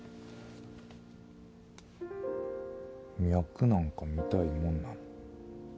脈なんか見たいもんなの？